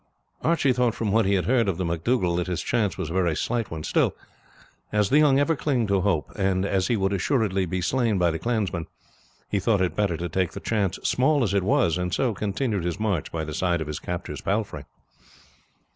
Archie thought from what he had heard of the MacDougall that his chance was a very slight one. Still, as the young ever cling to hope, and as he would assuredly be slain by the clansmen, he thought it better to take the chance, small as it was, and so continued his march by the side of his captor's palfrey.